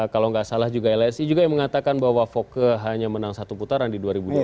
kalau nggak salah juga lsi juga yang mengatakan bahwa foke hanya menang satu putaran di dua ribu dua puluh